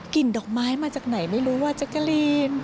กลิ่นดอกไม้มาจากไหนไม่รู้ว่าจะกรีน